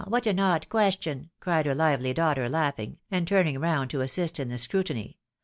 what an odd question !" cried her lively daughter, laughing, and turning round to assist in the scru tiny.